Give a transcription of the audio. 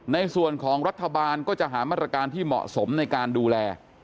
ในส่วนของรัฐบาลก็จะหามาตรการที่เหมาะสมในการดูแล